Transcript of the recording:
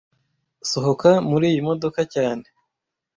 Sohoka muriyi modoka cyane